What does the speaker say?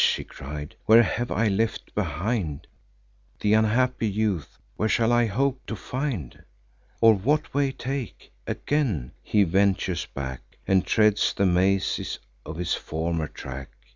he cried, "where have I left behind Th' unhappy youth? where shall I hope to find? Or what way take?" Again he ventures back, And treads the mazes of his former track.